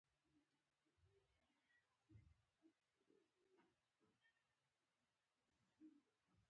دغه اصلاحات د خصوصي مالکیت پیلامه ده.